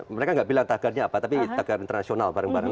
mereka nggak bilang tagarnya apa tapi tagar internasional bareng bareng